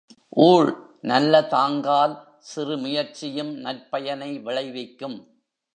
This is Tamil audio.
ஊழ் நல்லதாங்கால் சிறு முயற்சியும் நற்பயனை விளைவிக்கும்.